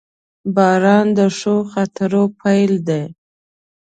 • باران د ښو خاطرو پیل دی.